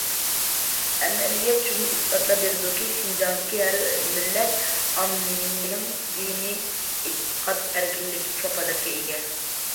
ئەمەلىيەت شۇنى ئىسپاتلاپ بېرىدۇكى، شىنجاڭدىكى ھەر مىللەت ئاممىنىڭ دىنىي ئېتىقاد ئەركىنلىكى كاپالەتكە ئىگە.